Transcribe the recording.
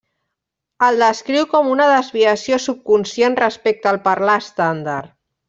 El descriu com una desviació subconscient respecte al parlar estàndard.